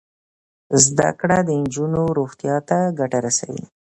زده کړه د نجونو روغتیا ته ګټه رسوي.